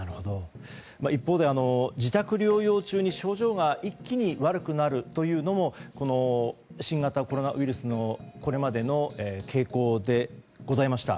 一方で自宅療養中に症状が一気に悪くなるというのもこの新型コロナウイルスのこれまでの傾向でございました。